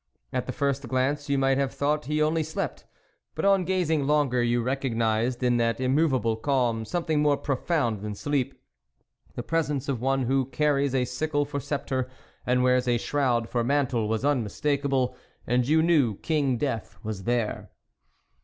At the first glance you might have thought he only slept ; but on gazing longer you recognised in that immovable calm something more THE WOLF LEADER profound than sleep. The presence of one who carries a sickle for sceptre, and wears a shroud for mantle was unmistakeable, and you knew King Death was there.